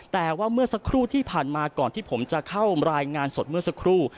แต่ว่าเมื่อสักครู่ที่ผ่านมาก่อนที่ผมจะเข้ารายงานสดเมื่อสักครู่